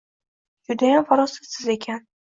Judayam farosatsiz ekan